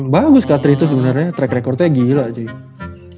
bagus katri itu sebenernya track recordnya gila juga ya